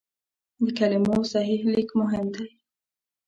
د کلمو صحیح لیک مهم دی.